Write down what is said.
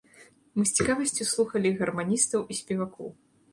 Мы з цікавасцю слухалі гарманістаў і спевакоў.